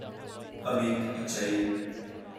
A mit a cei.